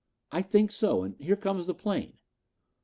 "I think so, and here comes our plane."